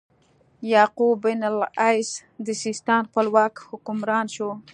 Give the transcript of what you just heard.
یعقوب بن اللیث د سیستان خپلواک حکمران شو.